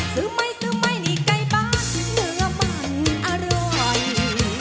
สึมัยสึมัยนี่ไก้บ้านเหลือมันอร่อย